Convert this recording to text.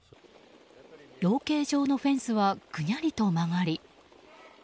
養鶏場のフェンスはぐにゃりと曲がり。